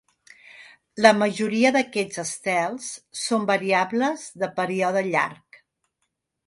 La majoria d'aquests estels són variables de període llarg.